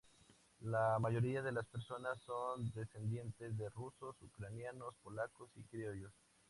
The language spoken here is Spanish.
La mayoría de las personas son descendientes de rusos, ucranianos, polacos y criollos.